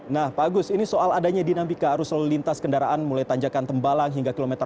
nah pak agus ini soal adanya dinamika arus lalu lintas kendaraan mulai tanjakan tembalang hingga kilometer empat ratus dua puluh sembilan